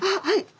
はい。